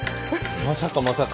まさかまさか。